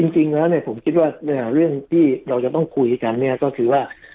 จริงแล้วผมคิดว่าเรื่องที่เราจะต้องคุยกันเนี่ยก็คือว่า